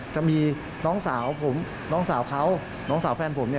จะมีน้องสาวผมน้องสาวเขาน้องสาวแฟนผมเนี่ย